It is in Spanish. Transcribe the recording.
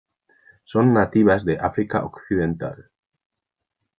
Son nativas de África occidental.